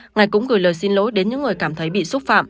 ngài cũng gửi lời xin lỗi đến những người cảm thấy bị xúc phạm